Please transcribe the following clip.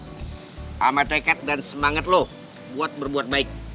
sama tekat dan semangat lo buat berbuat baik